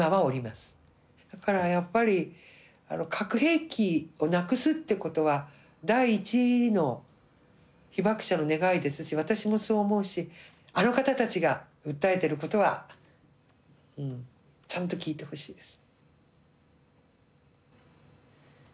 だからやっぱり核兵器をなくすってことは第一の被爆者の願いですし私もそう思うしあの方たちが訴えてることはちゃんと聞いてほしいです。